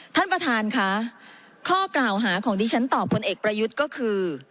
ท่านประธานค่ะข้อกล่าวหาของดิฉันตอบพลเอกประยุทธ์ก็คือ